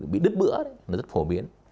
bị đứt bữa nó rất phổ biến